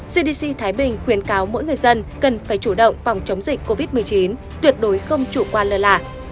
cdc thái bình khuyến cáo mỗi người dân cần phải chủ động phòng chống dịch covid một mươi chín tuyệt đối không chủ quan lơ là